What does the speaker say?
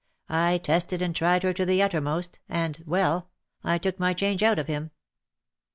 I tested and tried her to the uttermost — and — well — I took my change out of him.'